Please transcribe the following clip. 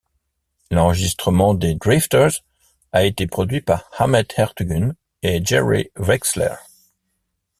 L'enregistrement des Drifters a été produit par Ahmet Ertegun et Jerry Wexler.